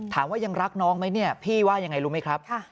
ยังรักน้องไหมเนี่ยพี่ว่ายังไงรู้ไหมครับ